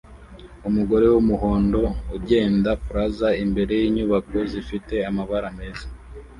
Umugore wumuhondo ugenda plaza imbere yinyubako zifite amabara meza